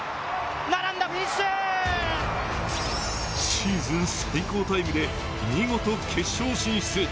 シーズン最高タイムで見事、決勝進出。